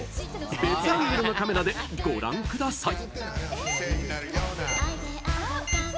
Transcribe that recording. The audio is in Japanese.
別アングルのカメラでご覧ください。